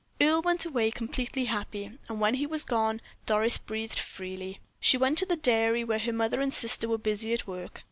Earle went away completely happy, and when he was gone Doris breathed freely. She went to the dairy where her mother and sister were busy at work.